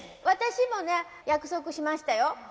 私もね約束しましたよ。